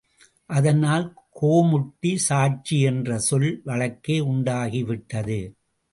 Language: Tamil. அதனால் கோமுட்டி சாட்சி என்ற சொல் வழக்கே உண்டாகி விட்டது.